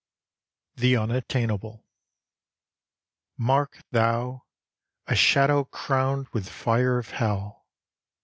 THE UNATTAINABLE Mark thou! a shadow crowned with fire of hell.